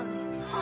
あ！